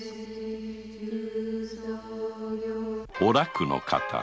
お楽の方。